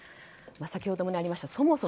先ほどもありました